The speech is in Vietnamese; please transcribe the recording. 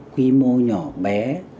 quy mô nhỏ bé